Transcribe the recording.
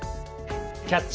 「キャッチ！